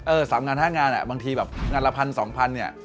๓งาน๕งานอ่ะบางทีแบบงานละพันสองพันเนี่ย